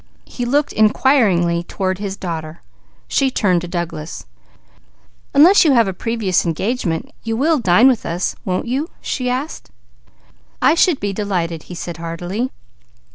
He looked inquiringly toward his daughter. She turned to Douglas. "Unless you have a previous engagement, you will dine with us, won't you?" she asked. "I should be delighted," he said heartily.